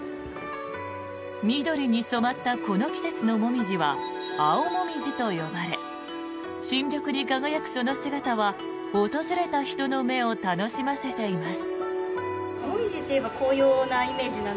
緑に染まったこの季節のモミジは青モミジと呼ばれ新緑に輝くその姿は訪れた人の目を楽しませています。